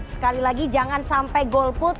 sekali lagi jangan sampai golput